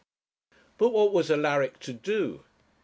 But what was Alaric to do?